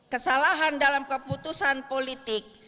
kesalahan dalam keputusan politik